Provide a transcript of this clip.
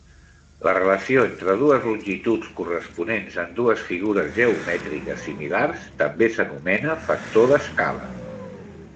La relació entre dues longituds corresponents en dues figures geomètriques similars també s'anomena factor d'escala.